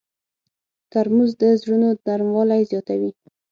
ترموز د زړونو نرموالی زیاتوي.